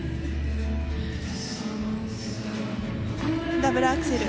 ダブルアクセル。